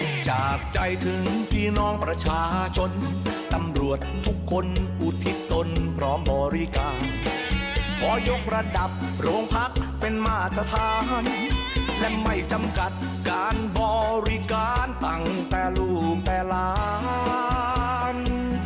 และไม่จำกัดการบริการตั้งแต่ลูกแต่ล้าน